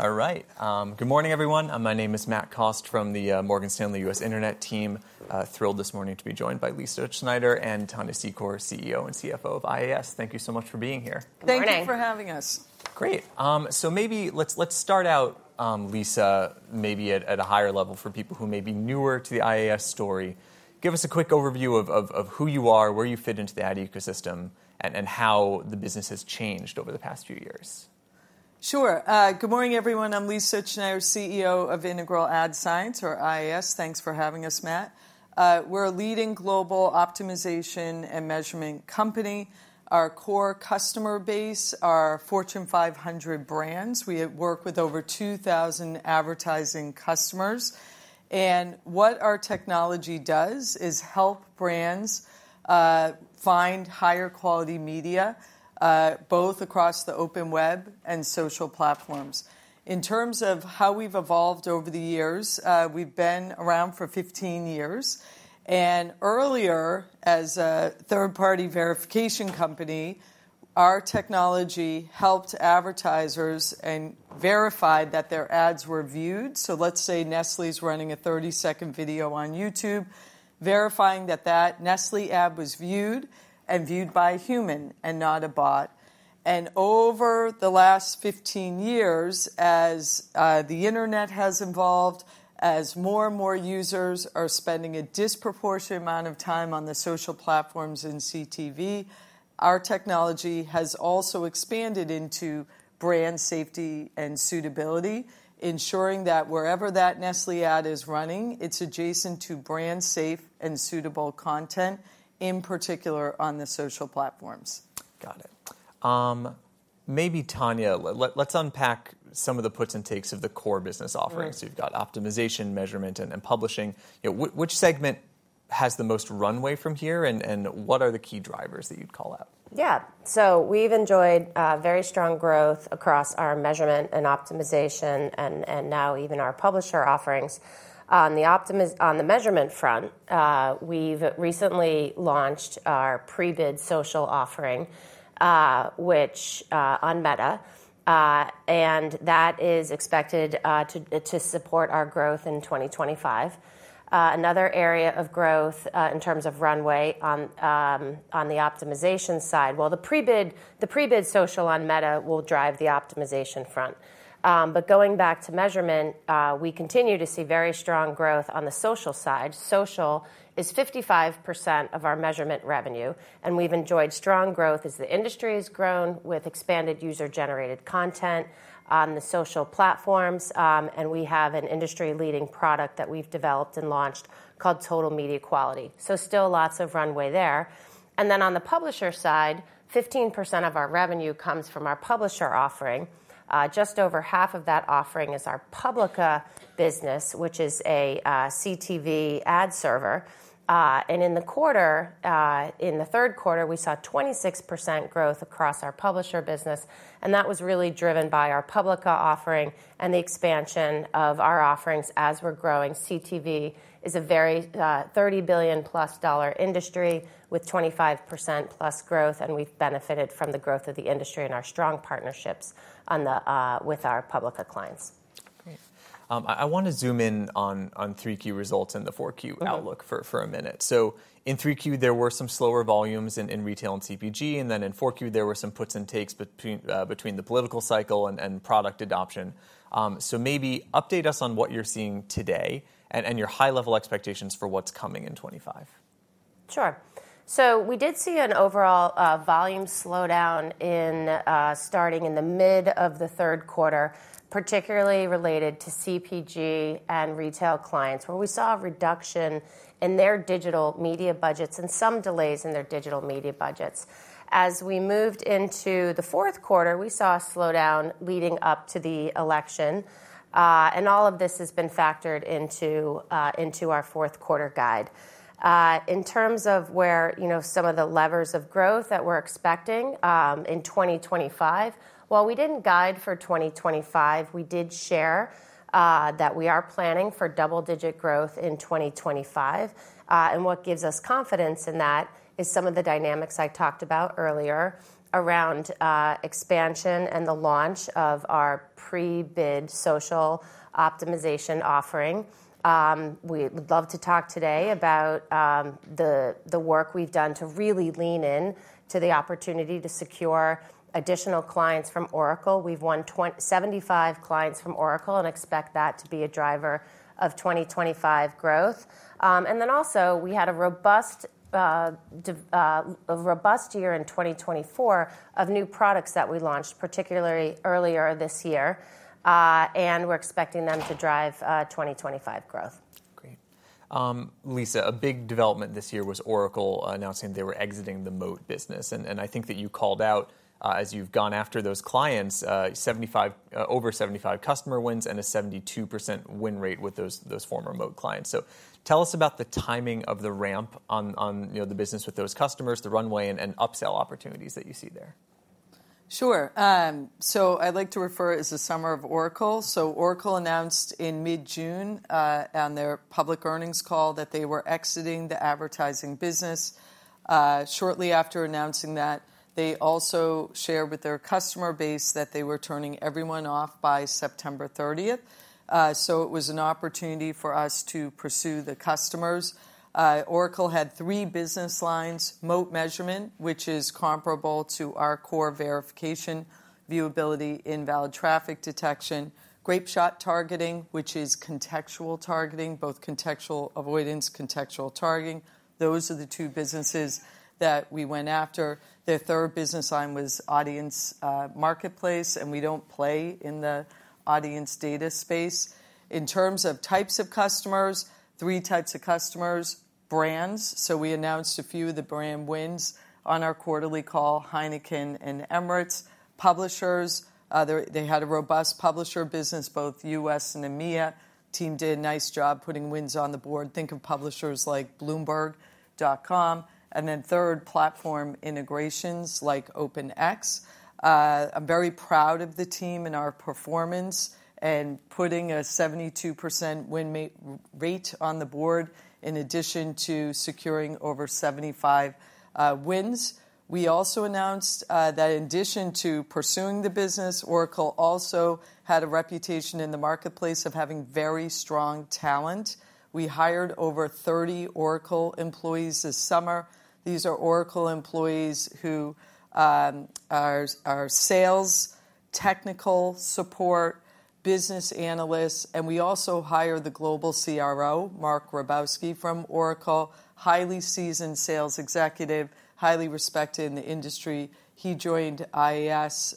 All right. Good morning, everyone. My name is Matt Cost from the Morgan Stanley U.S. Internet Team. Thrilled this morning to be joined by Lisa Utzschneider and Tania Secor, CEO and CFO of IAS. Thank you so much for being here. Thank you for having us. Great. So maybe let's start out, Lisa, maybe at a higher level for people who may be newer to the IAS story. Give us a quick overview of who you are, where you fit into the ad ecosystem, and how the business has changed over the past few years. Sure. Good morning, everyone. I'm Lisa Utzschneider, CEO of Integral Ad Science, or IAS. Thanks for having us, Matt. We're a leading global optimization and measurement company. Our core customer base are Fortune 500 brands. We work with over 2,000 advertising customers, and what our technology does is help brands find higher quality media, both across the open web and social platforms. In terms of how we've evolved over the years, we've been around for 15 years, and earlier, as a third-party verification company, our technology helped advertisers and verified that their ads were viewed, so let's say Nestlé's running a 30-second video on YouTube, verifying that that Nestlé ad was viewed and viewed by a human and not a bot. Over the last 15 years, as the internet has evolved, as more and more users are spending a disproportionate amount of time on the social platforms and CTV, our technology has also expanded into brand safety and suitability, ensuring that wherever that Nestlé ad is running, it's adjacent to brand-safe and suitable content, in particular on the social platforms. Got it. Maybe, Tania, let's unpack some of the puts and takes of the core business offerings. So you've got optimization, measurement, and publishing. Which segment has the most runway from here, and what are the key drivers that you'd call out? Yeah, so we've enjoyed very strong growth across our measurement and optimization, and now even our publisher offerings. On the measurement front, we've recently launched our Pre-bid Social offering, which is on Meta, and that is expected to support our growth in 2025. Another area of growth in terms of runway on the optimization side, well, the Pre-bid Social on Meta will drive the optimization front, but going back to measurement, we continue to see very strong growth on the social side. Social is 55% of our measurement revenue, and we've enjoyed strong growth as the industry has grown with expanded user-generated content on the social platforms, and we have an industry-leading product that we've developed and launched called Total Media Quality, so still lots of runway there, and then on the publisher side, 15% of our revenue comes from our publisher offering. Just over half of that offering is our Publica business, which is a CTV ad server, and in the quarter, in the third quarter, we saw 26% growth across our publisher business, and that was really driven by our Publica offering and the expansion of our offerings as we're growing. CTV is a very $30 billion-plus industry with 25%-plus growth, and we've benefited from the growth of the industry and our strong partnerships with our Publica clients. Great. I want to zoom in on 3Q results and the 4Q outlook for a minute. So in 3Q, there were some slower volumes in retail and CPG. And then in 4Q, there were some puts and takes between the political cycle and product adoption. So maybe update us on what you're seeing today and your high-level expectations for what's coming in 2025. Sure. So we did see an overall volume slowdown starting in the midst of the third quarter, particularly related to CPG and retail clients, where we saw a reduction in their digital media budgets and some delays in their digital media budgets. As we moved into the fourth quarter, we saw a slowdown leading up to the election, and all of this has been factored into our fourth quarter guide. In terms of where some of the levers of growth that we're expecting in 2025, well, we didn't guide for 2025. We did share that we are planning for double-digit growth in 2025, and what gives us confidence in that is some of the dynamics I talked about earlier around expansion and the launch of our Pre-bid Social Optimization offering. We would love to talk today about the work we've done to really lean into the opportunity to secure additional clients from Oracle. We've won 75 clients from Oracle and expect that to be a driver of 2025 growth, and then also, we had a robust year in 2024 of new products that we launched, particularly earlier this year, and we're expecting them to drive 2025 growth. Great. Lisa, a big development this year was Oracle announcing they were exiting the Moat business. And I think that you called out, as you've gone after those clients, over 75 customer wins and a 72% win rate with those former Moat clients. So tell us about the timing of the ramp on the business with those customers, the runway, and upsell opportunities that you see there. Sure. So I'd like to refer to it as the summer of Oracle. So Oracle announced in mid-June on their public earnings call that they were exiting the advertising business. Shortly after announcing that, they also shared with their customer base that they were turning everyone off by September 30. So it was an opportunity for us to pursue the customers. Oracle had three business lines: Moat measurement, which is comparable to our core verification viewability invalid traffic detection. Grapeshot targeting, which is contextual targeting, both contextual avoidance, contextual targeting. Those are the two businesses that we went after. Their third business line was Audience Marketplace. And we don't play in the audience data space. In terms of types of customers, three types of customers, brands. So we announced a few of the brand wins on our quarterly call: Heineken and Emirates. Publishers. They had a robust publisher business, both U.S. and EMEA. The team did a nice job putting wins on the board. Think of publishers like Bloomberg.com. And then third, platform integrations like OpenX. I'm very proud of the team and our performance and putting a 72% win rate on the board in addition to securing over 75 wins. We also announced that in addition to pursuing the business, Oracle also had a reputation in the marketplace of having very strong talent. We hired over 30 Oracle employees this summer. These are Oracle employees who are sales, technical support, business analysts. And we also hired the global CRO, Marc Grabowski, from Oracle, highly seasoned sales executive, highly respected in the industry. He joined IAS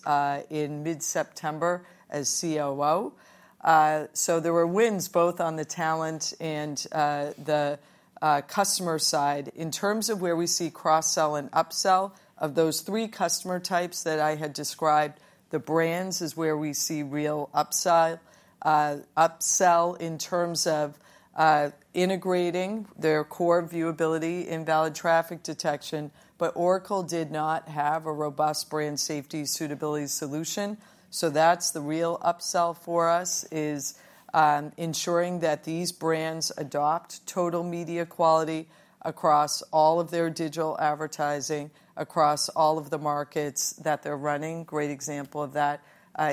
in mid-September as COO. So there were wins both on the talent and the customer side. In terms of where we see cross-sell and upsell of those three customer types that I had described, the brands is where we see real upsell in terms of integrating their core viewability invalid traffic detection. But Oracle did not have a robust brand safety suitability solution. So that's the real upsell for us, is ensuring that these brands adopt Total Media Quality across all of their digital advertising, across all of the markets that they're running. Great example of that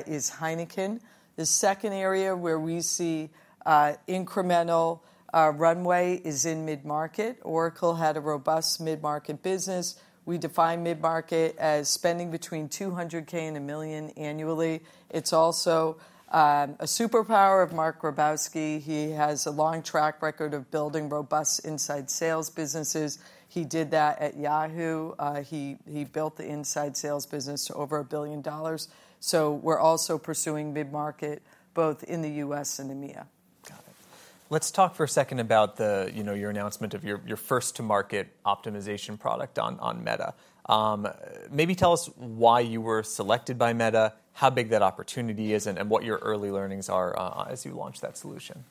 is Heineken. The second area where we see incremental runway is in mid-market. Oracle had a robust mid-market business. We define mid-market as spending between $200,000 and $1 million annually. It's also a superpower of Marc Grabowski. He has a long track record of building robust inside sales businesses. He did that at Yahoo. He built the inside sales business to over $1 billion. We're also pursuing mid-market both in the U.S. and EMEA. Got it. Let's talk for a second about your announcement of your first-to-market optimization product on Meta. Maybe tell us why you were selected by Meta, how big that opportunity is, and what your early learnings are as you launched that solution?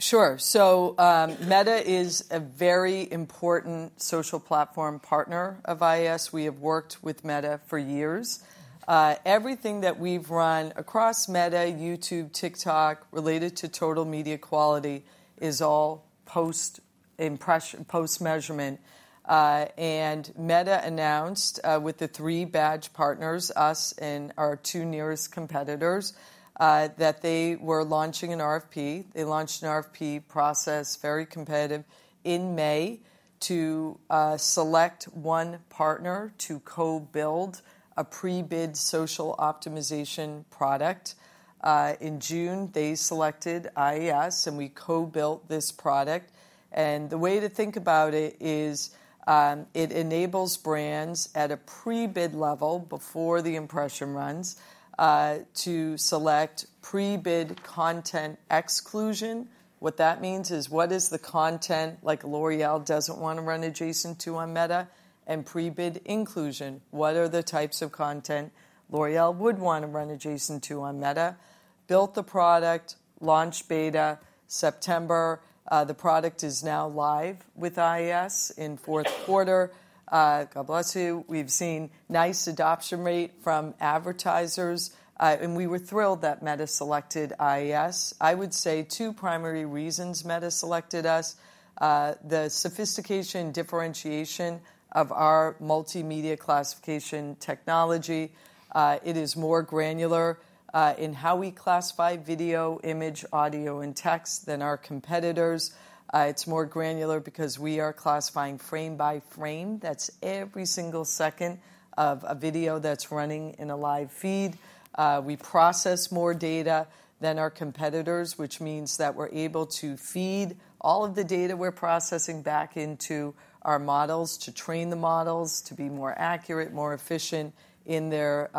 Sure. So Meta is a very important social platform partner of IAS. We have worked with Meta for years. Everything that we've run across Meta, YouTube, TikTok related to Total Media Quality is all post-measurement. And Meta announced with the three badge partners, us and our two nearest competitors, that they were launching an RFP. They launched an RFP process, very competitive, in May to select one partner to co-build a Pre-bid Social Optimization product. In June, they selected IAS, and we co-built this product. And the way to think about it is it enables brands at a pre-bid level before the impression runs to select pre-bid content exclusion. What that means is what is the content like L'Oréal doesn't want to run adjacent to on Meta and pre-bid inclusion. What are the types of content L'Oréal would want to run adjacent to on Meta? Built the product, launched beta September. The product is now live with IAS in fourth quarter. God bless you. We've seen nice adoption rate from advertisers, and we were thrilled that Meta selected IAS. I would say two primary reasons Meta selected us: the sophistication and differentiation of our multimedia classification technology. It is more granular in how we classify video, image, audio, and text than our competitors. It's more granular because we are classifying frame by frame. That's every single second of a video that's running in a live feed. We process more data than our competitors, which means that we're able to feed all of the data we're processing back into our models to train the models to be more accurate, more efficient in their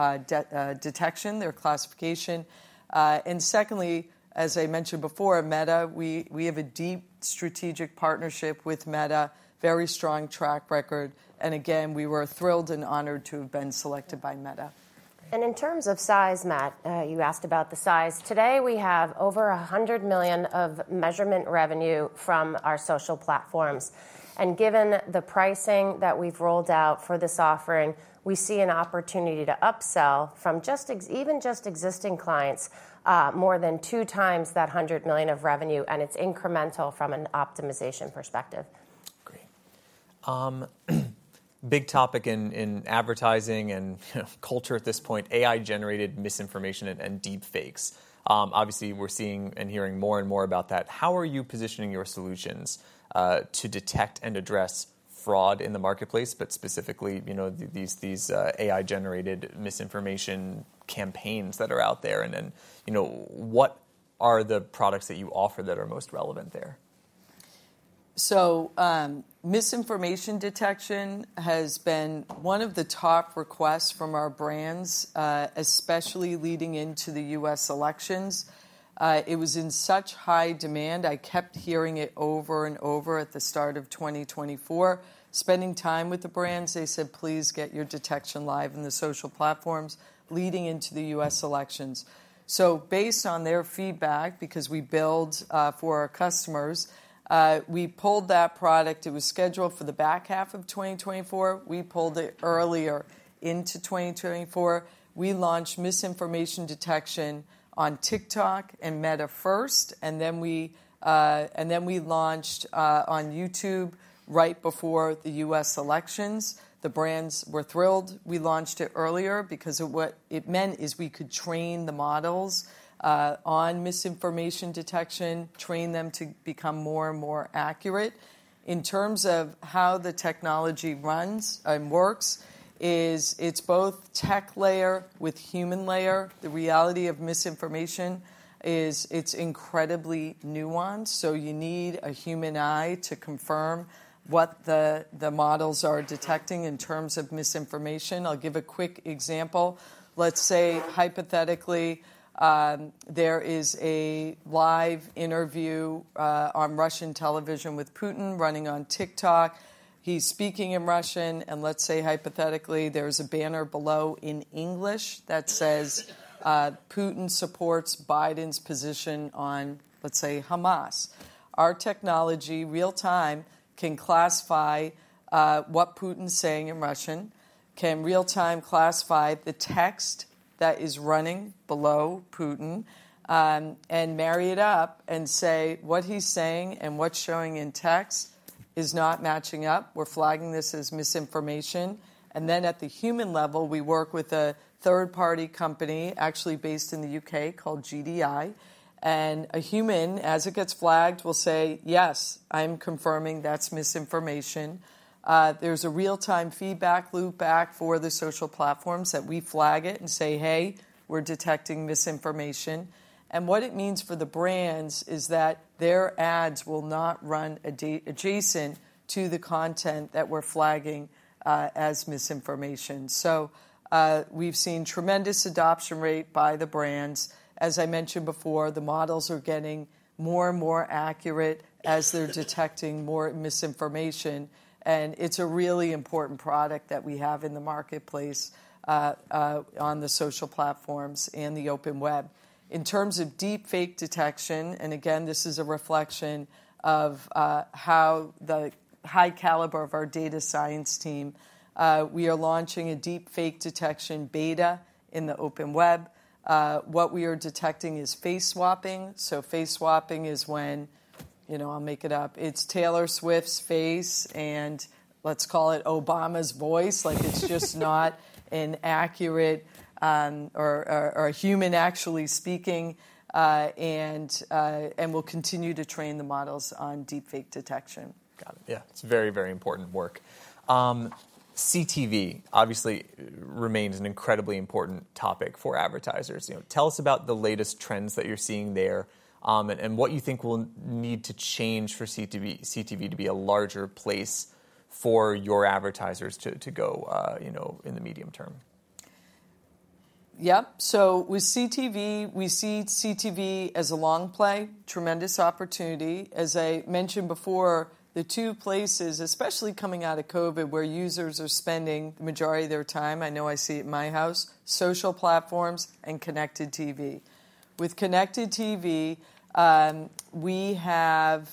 detection, their classification, and secondly, as I mentioned before, Meta, we have a deep strategic partnership with Meta, very strong track record. Again, we were thrilled and honored to have been selected by Meta. In terms of size, Matt, you asked about the size. Today, we have over $100 million of measurement revenue from our social platforms. Given the pricing that we've rolled out for this offering, we see an opportunity to upsell from even just existing clients more than two times that $100 million of revenue. It's incremental from an optimization perspective. Great. Big topic in advertising and culture at this point, AI-generated misinformation and deepfakes. Obviously, we're seeing and hearing more and more about that. How are you positioning your solutions to detect and address fraud in the marketplace, but specifically these AI-generated misinformation campaigns that are out there? And what are the products that you offer that are most relevant there? So misinformation detection has been one of the top requests from our brands, especially leading into the U.S. elections. It was in such high demand, I kept hearing it over and over at the start of 2024. Spending time with the brands, they said, please get your detection live in the social platforms leading into the U.S. elections. So based on their feedback, because we build for our customers, we pulled that product. It was scheduled for the back half of 2024. We pulled it earlier into 2024. We launched misinformation detection on TikTok and Meta first. And then we launched on YouTube right before the U.S. elections. The brands were thrilled. We launched it earlier because what it meant is we could train the models on misinformation detection, train them to become more and more accurate. In terms of how the technology runs and works, it's both tech layer with human layer. The reality of misinformation is it's incredibly nuanced, so you need a human eye to confirm what the models are detecting in terms of misinformation. I'll give a quick example. Let's say hypothetically there is a live interview on Russian television with Putin running on TikTok. He's speaking in Russian, and let's say hypothetically there is a banner below in English that says, "Putin supports Biden's position on, let's say, Hamas." Our technology real-time can classify what Putin's saying in Russian, can real-time classify the text that is running below Putin and marry it up and say what he's saying and what's showing in text is not matching up. We're flagging this as misinformation, and then at the human level, we work with a third-party company actually based in the UK called GDI. A human, as it gets flagged, will say, "Yes, I'm confirming that's misinformation." There's a real-time feedback loop back for the social platforms that we flag it and say, "Hey, we're detecting misinformation." What it means for the brands is that their ads will not run adjacent to the content that we're flagging as misinformation. We've seen tremendous adoption rate by the brands. As I mentioned before, the models are getting more and more accurate as they're detecting more misinformation. It's a really important product that we have in the marketplace on the social platforms and the open web. In terms of deepfake detection, and again, this is a reflection of how the high caliber of our data science team. We are launching a deepfake detection beta in the open web. What we are detecting is face swapping. Face swapping is when, I'll make it up, it's Taylor Swift's face and let's call it Obama's voice. Like it's just not an accurate or a human actually speaking. We'll continue to train the models on deepfake detection. Got it. Yeah, it's very, very important work. CTV obviously remains an incredibly important topic for advertisers. Tell us about the latest trends that you're seeing there and what you think will need to change for CTV to be a larger place for your advertisers to go in the medium term? Yep. So with CTV, we see CTV as a long play, tremendous opportunity. As I mentioned before, the two places, especially coming out of COVID, where users are spending the majority of their time, I know I see it in my house, social platforms and connected TV. With connected TV, we have,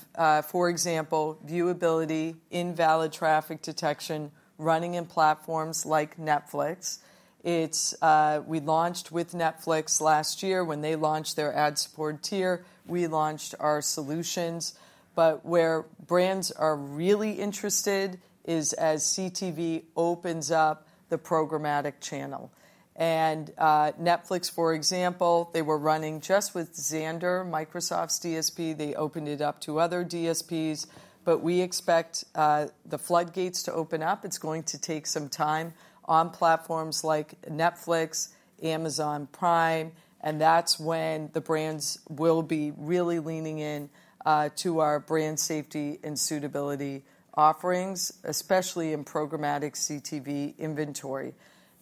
for example, viewability, invalid traffic detection running in platforms like Netflix. We launched with Netflix last year when they launched their ad support tier. We launched our solutions. But where brands are really interested is as CTV opens up the programmatic channel. And Netflix, for example, they were running just with Xandr, Microsoft's DSP. They opened it up to other DSPs. But we expect the floodgates to open up. It's going to take some time on platforms like Netflix, Amazon Prime. That's when the brands will be really leaning into our brand safety and suitability offerings, especially in programmatic CTV inventory.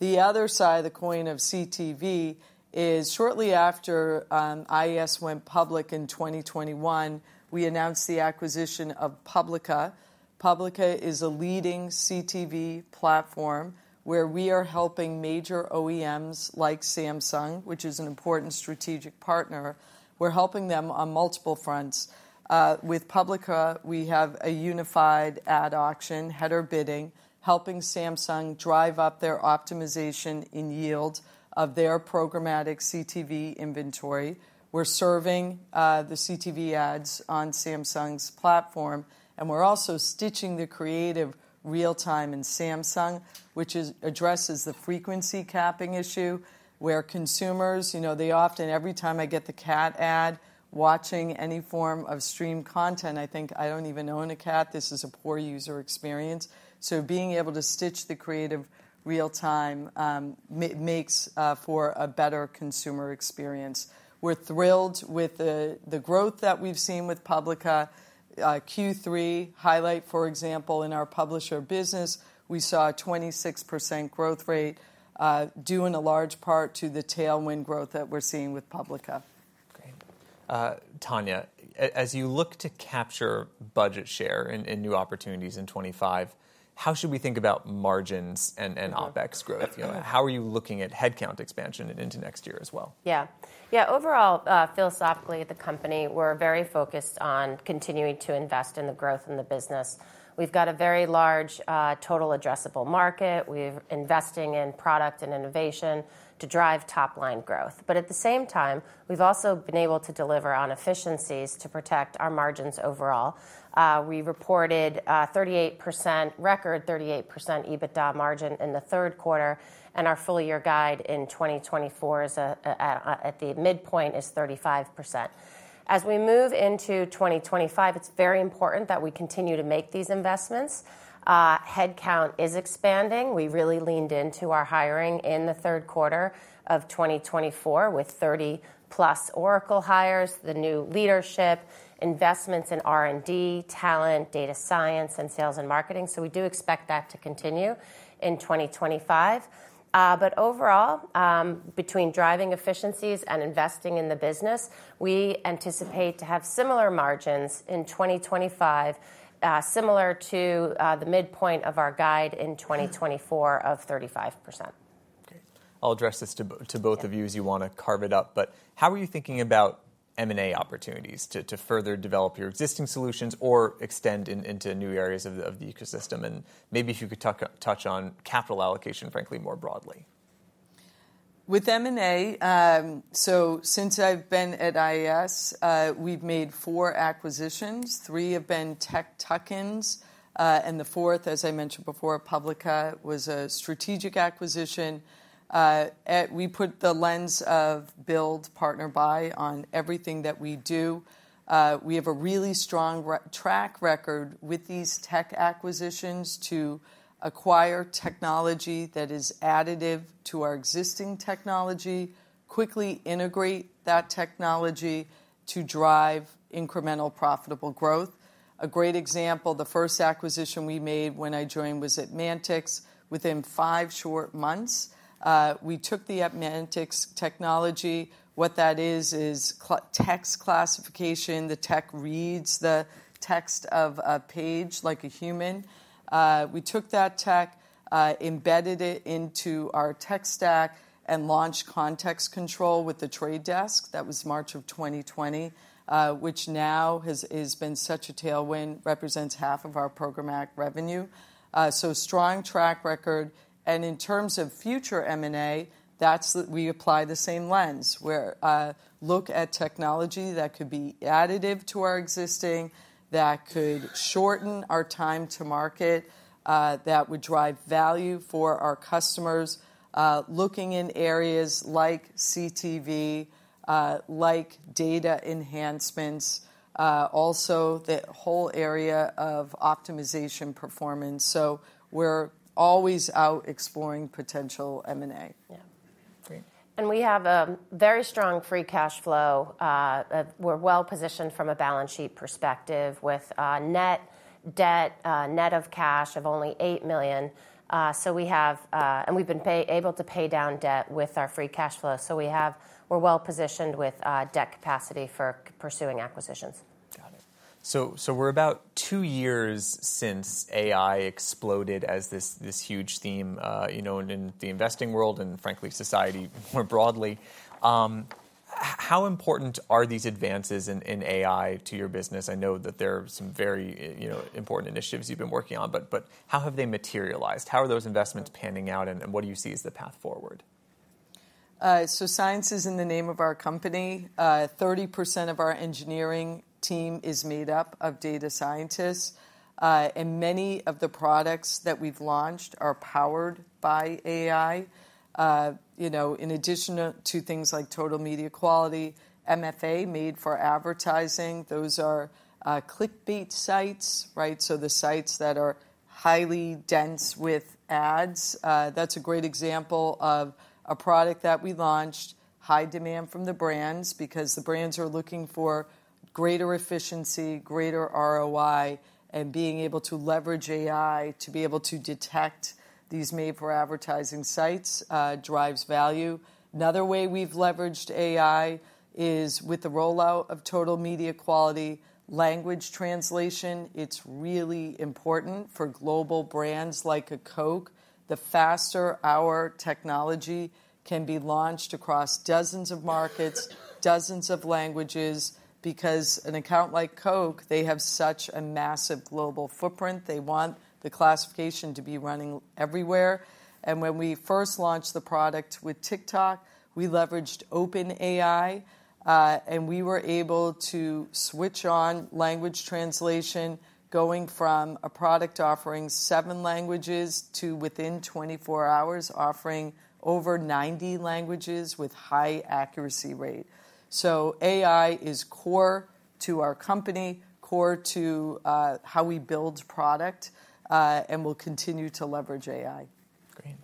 The other side of the coin of CTV is shortly after IAS went public in 2021, we announced the acquisition of Publica. Publica is a leading CTV platform where we are helping major OEMs like Samsung, which is an important strategic partner. We're helping them on multiple fronts. With Publica, we have a unified ad auction, header bidding, helping Samsung drive up their optimization in yield of their programmatic CTV inventory. We're serving the CTV ads on Samsung's platform. We're also stitching the creative real-time in Samsung, which addresses the frequency capping issue where consumers, they often, every time I get the cat ad, watching any form of stream content, I think I don't even own a cat. This is a poor user experience. Being able to stitch the creative real-time makes for a better consumer experience. We're thrilled with the growth that we've seen with Publica. Q3 highlight, for example, in our publisher business, we saw a 26% growth rate due in large part to the tailwind growth that we're seeing with Publica. Great. Tania, as you look to capture budget share and new opportunities in '25, how should we think about margins and OpEx growth? How are you looking at headcount expansion into next year as well? Yeah. Yeah, overall, philosophically, at the company, we're very focused on continuing to invest in the growth in the business. We've got a very large total addressable market. We're investing in product and innovation to drive top-line growth. But at the same time, we've also been able to deliver on efficiencies to protect our margins overall. We reported record 38% EBITDA margin in the third quarter. And our full-year guide in 2024 at the midpoint is 35%. As we move into 2025, it's very important that we continue to make these investments. Headcount is expanding. We really leaned into our hiring in the third quarter of 2024 with 30-plus Oracle hires, the new leadership, investments in R&D, talent, data science, and sales and marketing. So we do expect that to continue in 2025. But overall, between driving efficiencies and investing in the business, we anticipate to have similar margins in 2025, similar to the midpoint of our guide in 2024 of 35%. I'll address this to both of you as you want to carve it up. But how are you thinking about M&A opportunities to further develop your existing solutions or extend into new areas of the ecosystem? And maybe if you could touch on capital allocation, frankly, more broadly. With M&A, so since I've been at IAS, we've made four acquisitions. Three have been tech tuck-ins. And the fourth, as I mentioned before, Publica was a strategic acquisition. We put the lens of build, partner, buy on everything that we do. We have a really strong track record with these tech acquisitions to acquire technology that is additive to our existing technology, quickly integrate that technology to drive incremental profitable growth. A great example, the first acquisition we made when I joined was ADmantX. Within five short months, we took the ADmantX technology. What that is, is text classification. The tech reads the text of a page like a human. We took that tech, embedded it into our tech stack, and launched Context Control with The Trade Desk. That was March of 2020, which now has been such a tailwind, represents half of our programmatic revenue. So strong track record. And in terms of future M&A, we apply the same lens. We look at technology that could be additive to our existing, that could shorten our time to market, that would drive value for our customers, looking in areas like CTV, like data enhancements, also the whole area of optimization performance. So we're always out exploring potential M&A. Yeah. And we have a very strong free cash flow. We're well positioned from a balance sheet perspective with net debt, net of cash of only $8 million. So we have, and we've been able to pay down debt with our free cash flow. So we have, we're well positioned with debt capacity for pursuing acquisitions. Got it. So we're about two years since AI exploded as this huge theme in the investing world and frankly, society more broadly. How important are these advances in AI to your business? I know that there are some very important initiatives you've been working on, but how have they materialized? How are those investments panning out? And what do you see as the path forward? Science is in the name of our company. 30% of our engineering team is made up of data scientists, and many of the products that we've launched are powered by AI. In addition to things like Total Media Quality, MFA made for advertising. Those are clickbait sites, right? So the sites that are highly dense with ads. That's a great example of a product that we launched. High demand from the brands because the brands are looking for greater efficiency, greater ROI, and being able to leverage AI to be able to detect these made-for-advertising sites drives value. Another way we've leveraged AI is with the rollout of Total Media Quality, language translation. It's really important for global brands like Coke. The faster our technology can be launched across dozens of markets, dozens of languages, because an account like Coke, they have such a massive global footprint. They want the classification to be running everywhere. When we first launched the product with TikTok, we leveraged OpenAI, and we were able to switch on language translation, going from a product offering seven languages to within 24 hours offering over 90 languages with high accuracy rate. AI is core to our company, core to how we build product, and we'll continue to leverage AI. Great.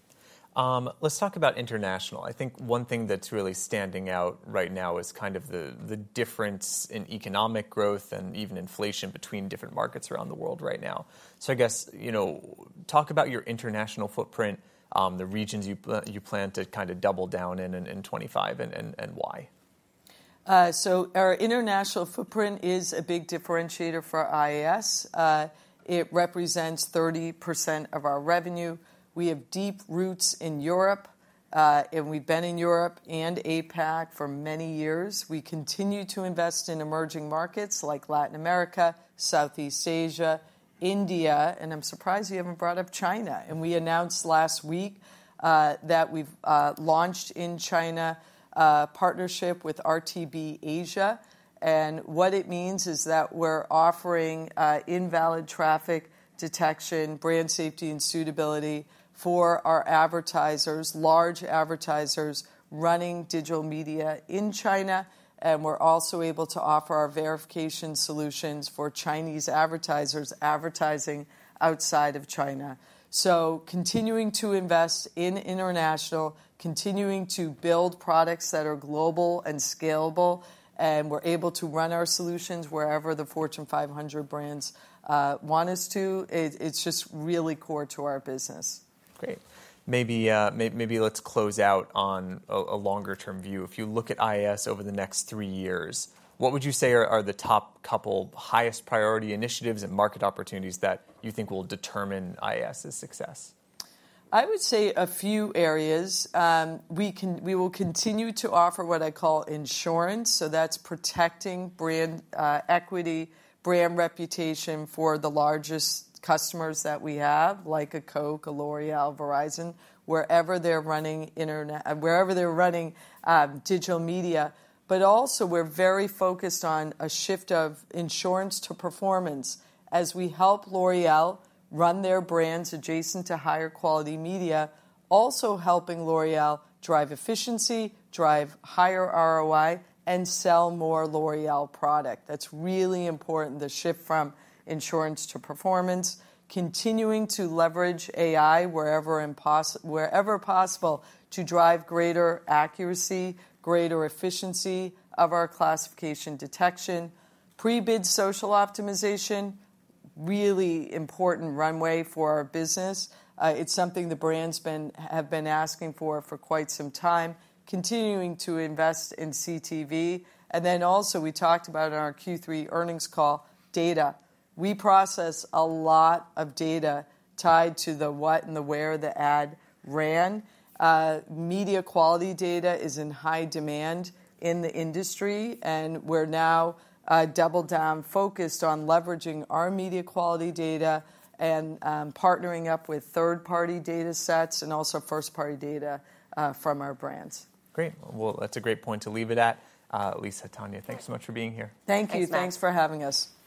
Let's talk about international. I think one thing that's really standing out right now is kind of the difference in economic growth and even inflation between different markets around the world right now. So I guess talk about your international footprint, the regions you plan to kind of double down in in 2025 and why? So our international footprint is a big differentiator for IAS. It represents 30% of our revenue. We have deep roots in Europe, and we've been in Europe and APAC for many years. We continue to invest in emerging markets like Latin America, Southeast Asia, India, and I'm surprised you haven't brought up China. And we announced last week that we've launched in China a partnership with RTBAsia. And what it means is that we're offering invalid traffic detection, brand safety and suitability for our advertisers, large advertisers running digital media in China. And we're also able to offer our verification solutions for Chinese advertisers advertising outside of China. So continuing to invest in international, continuing to build products that are global and scalable, and we're able to run our solutions wherever the Fortune 500 brands want us to. It's just really core to our business. Great. Maybe let's close out on a longer-term view. If you look at IAS over the next three years, what would you say are the top couple highest priority initiatives and market opportunities that you think will determine IAS's success? I would say a few areas. We will continue to offer what I call insurance. So that's protecting brand equity, brand reputation for the largest customers that we have, like a Coke, a L'Oréal, Verizon, wherever they're running digital media. But also we're very focused on a shift of insurance to performance as we help L'Oréal run their brands adjacent to higher quality media, also helping L'Oréal drive efficiency, drive higher ROI, and sell more L'Oréal product. That's really important, the shift from insurance to performance, continuing to leverage AI wherever possible to drive greater accuracy, greater efficiency of our classification detection, Pre-bid Social Optimization, really important runway for our business. It's something the brands have been asking for for quite some time, continuing to invest in CTV. And then also we talked about in our Q3 earnings call, data. We process a lot of data tied to the what and the where the ad ran. Media quality data is in high demand in the industry, and we're now double down focused on leveraging our media quality data and partnering up with third-party data sets and also first-party data from our brands. Great. Well, that's a great point to leave it at. Lisa, Tania, thanks so much for being here. Thank you. Thanks for having us.